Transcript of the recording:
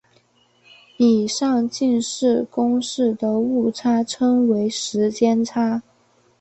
以上近似公式的误差称为时间差。